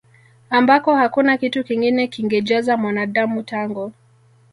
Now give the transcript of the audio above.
ambako hakuna kitu kingine kingejaza Mwanadamu tangu